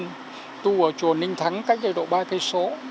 làm cái nền đất hoàng vu ở chùa ninh thắng cách đây độ ba km